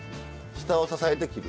下を支えて切る。